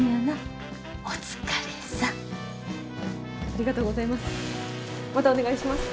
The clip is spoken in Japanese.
ありがとうございます。